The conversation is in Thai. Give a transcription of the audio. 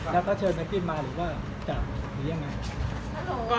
แล้วเขาเชิญนักภิกษ์มาหรือว่าจับหรือยังไง